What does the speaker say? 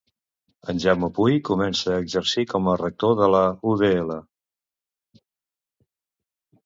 En Jaume Puy comença a exercir com a rector de la UdL.